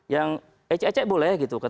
yang ecek ecek boleh gitu kan